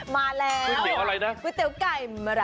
ไม่กินล่ะ